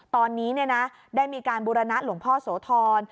ตอนนี้ได้มีการบูรณะหลวงพ่อโสธร